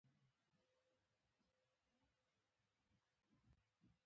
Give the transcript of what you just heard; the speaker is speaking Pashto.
بشرپالو مرستو ته زمینه برابره کړه.